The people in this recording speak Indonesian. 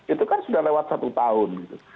itu kan sudah lewat satu tahun